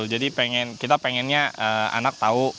jadi kita pengennya anak tahu